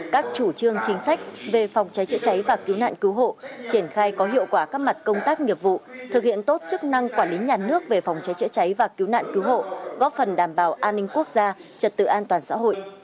các chủ trương chính sách về phòng cháy chữa cháy và cứu nạn cứu hộ triển khai có hiệu quả các mặt công tác nghiệp vụ thực hiện tốt chức năng quản lý nhà nước về phòng cháy chữa cháy và cứu nạn cứu hộ góp phần đảm bảo an ninh quốc gia trật tự an toàn xã hội